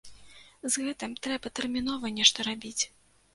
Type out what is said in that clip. З гэтым трэба тэрмінова нешта рабіць.